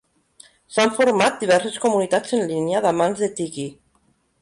S'han format diverses comunitats en línia d'amants de tiki.